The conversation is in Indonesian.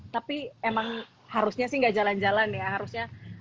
tapi emang harusnya sih nggak jalan jalan ya harusnya